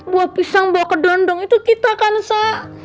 buah pisang buah kedendong itu kita kan sa